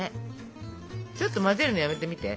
ちょっと混ぜるのやめてみて。